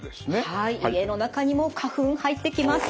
はい家の中にも花粉入ってきます。